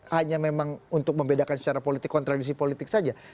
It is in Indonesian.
hanya memang untuk membedakan secara politik kontradiksi politik saja